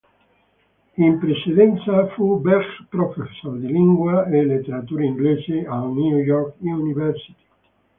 In precedenza fu "Berg Professor" di Lingua e letteratura inglese all'New York University.